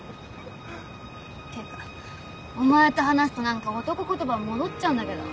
てかお前と話すと何か男言葉戻っちゃうんだけど。